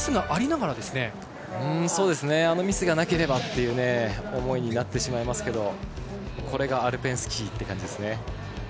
あのミスがなければという思いになってしまいますけどこれがアルペンスキーって感じですね。